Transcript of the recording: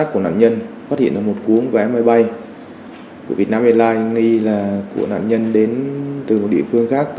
của thông tích của cung vé máy bay